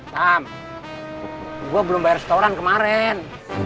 sam gue belum bayar setoran kemarin